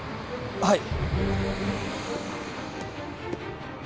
はい。